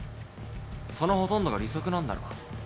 そのほとんどが利息なんだろ？